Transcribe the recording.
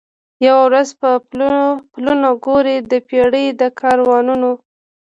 یوه ورځ به پلونه ګوري د پېړۍ د کاروانونو